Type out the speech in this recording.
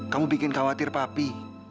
kamu bikin khawatir papi